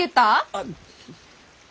あっ。